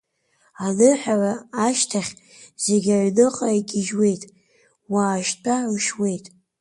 Аныҳәара ашьҭахь зегьы аҩныҟа игьежьуеит, уа ашьтәа ршьуеит.